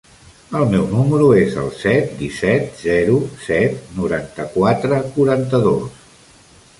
El meu número es el set, disset, zero, set, noranta-quatre, quaranta-dos.